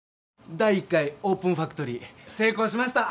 第１回オープンファクトリー成功しました！